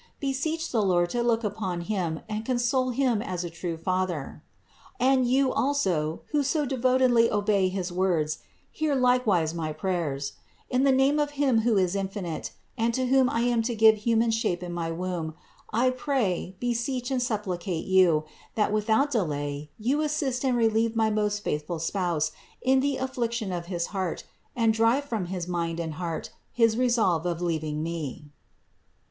Beseech the Lord to look upon him and console him as a true Father. And you also, who so devotedly obey his words, hear likewise my prayers ; in the name of Him who is infinite, and to whom I am to give human shape in my womb, I pray, beseech THE INCARNATION 315 and supplicate you, that without delay you assist and relieve my most faithful spouse in the affliction of his heart and drive from his mind and heart his resolve of leaving1 me."